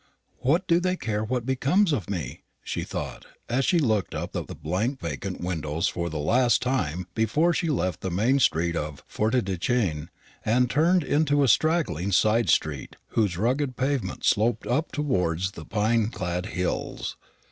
"What do they care what becomes of me?" she thought, as she looked up at the blank vacant windows for the last time before she left the main street of Forêtdechêne, and turned into a straggling side street, whose rugged pavement sloped upward towards the pine clad hills.